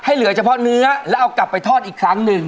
เหลือเฉพาะเนื้อแล้วเอากลับไปทอดอีกครั้งหนึ่ง